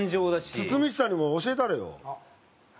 堤下にも教えたれよ。